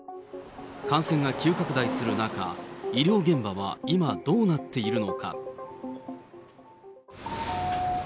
感染が急拡大する中、医療現場は今、どうなっているのか。